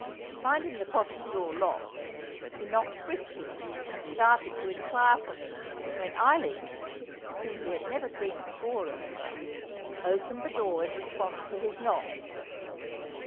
Finding the cottage door locked, he knocked briskly and started to inquire for me, when Eileen (whom he had never seen before, remember) opened the door in response to his knock.